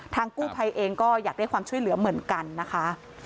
กู้ภัยเองก็อยากได้ความช่วยเหลือเหมือนกันนะคะ